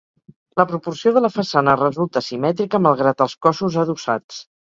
La proporció de la façana resulta simètrica malgrat els cossos adossats.